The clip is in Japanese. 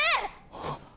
あっ。